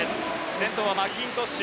先頭はマッキントッシュ。